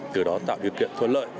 từ đó tạo điều kiện thuận lợi